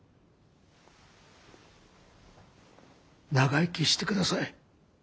長生きしてください。